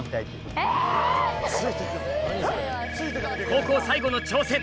高校最後の挑戦